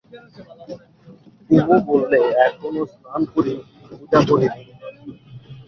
কুমু বললে, এখনো স্নান করি নি, পূজা করি নি।